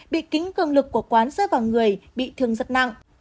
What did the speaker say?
bị kính cường lực của quán rơi vào người bị thương rất nặng